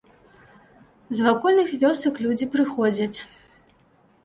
З вакольных вёсак людзі прыходзяць.